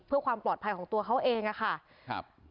เพื่อความปลอดภัยของตัวเขาเองอะค่ะครับ